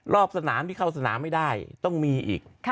รอบสนามที่เข้าสนามไม่ได้ต้องมีอีก